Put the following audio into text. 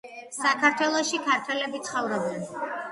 საქართველოში ქართველები ცხოვრობენ